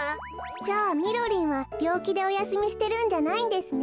じゃあみろりんはびょうきでおやすみしてるんじゃないんですね。